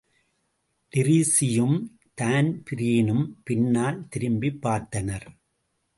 டிரீஸியும், தான்பிரீனும் பின்னால் திரும்பிப் பார்த்தனர்.